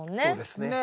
そうですね。